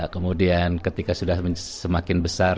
kemudian ketika sudah semakin besar